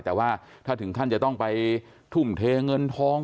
แต่ว่าถ้าถึงขั้นจะต้องไปทุ่มเทเงินทอง